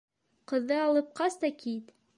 Ҡыҙҙы алып ҡас та кит!